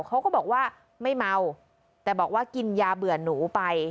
เขาก็บอกว่าไม่เมาแต่บอกว่ากินยาเบื่อหนูไป